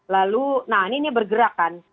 lalu nah ini bergerakan